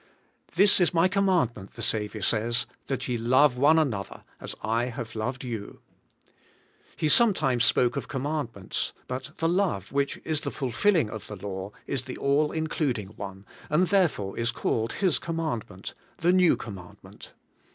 'This is my commandment,' the Saviour says, *that ye love one another, as I have loved you.' He some times spoke of commandments, but the love, which is the fulfilling of the law, is the all including one, and therefore is called His commandment — the new commandment.